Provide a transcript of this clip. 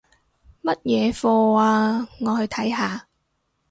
乜嘢課吖？我去睇下